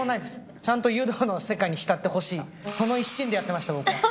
ちゃんと湯道の世界に浸ってほしい、その一心でやってました、僕。